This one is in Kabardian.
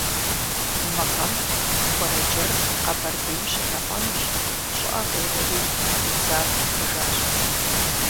Мы гъэм хуэрэджэр Къабэрдейм щылъапӏэнущ, щӏыӏэ къеуэри къыдидзар пихыжащ.